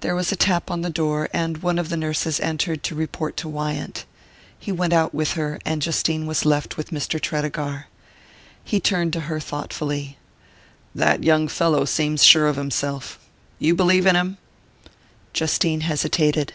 There was a tap on the door, and one of the nurses entered to report to Wyant. He went out with her, and Justine was left with Mr. Tredegar. He turned to her thoughtfully. "That young fellow seems sure of himself. You believe in him?" Justine hesitated.